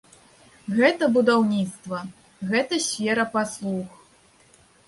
Гэта будаўніцтва, гэта сфера паслуг.